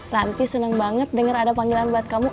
nanti seneng banget denger ada panggilan buat kamu